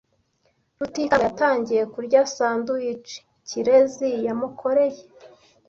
Rutikanga yatangiye kurya sandwich Kirezi yamukoreye.